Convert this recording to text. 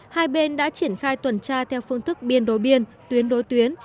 hai bên đã triển khai tuần tra theo phương thức biên đối biên tuyến đối tuyến